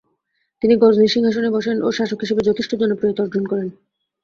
তিনি গজনির সিংহাসনে বসেন ও শাসক হিসেবে যথেষ্ট জনপ্রিয়তা অর্জন করেন।